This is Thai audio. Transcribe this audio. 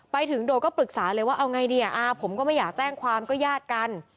โดดก็ปรึกษาเลยว่าเอาไงดีอ่ะอาผมก็ไม่อยากแจ้งความก็ญาติกัน